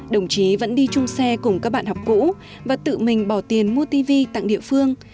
đồng chí vẫn đi chung xe cùng các bạn học cũ và tự mình bỏ tiền mua tv tặng địa phương